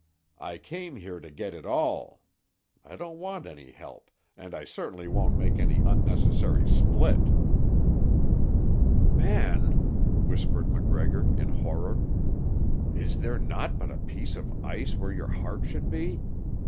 I came here to get it all. I don't want any help, and I certainly won't make any unnecessary split." "Man," whispered MacGregor in horror, "is there naught but a piece of ice where your heart should be?